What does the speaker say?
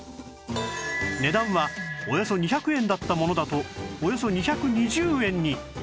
値段はおよそ２００円だったものだとおよそ２２０円に